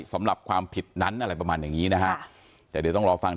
สำหรับความผิดนั้นอะไรประมาณอย่างงี้นะฮะแต่เดี๋ยวต้องรอฟัง